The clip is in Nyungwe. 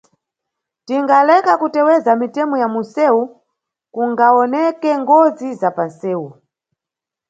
Tingaleka kuteweza mitemo ya munʼsewu, kungawoneke ngozi za panʼsewu.